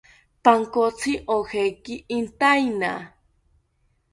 Pankotzi ojeki intaena